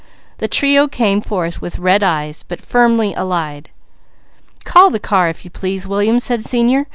The trio came forth with red eyes, but firmly allied. "Call the car, if you please, William," said Senior.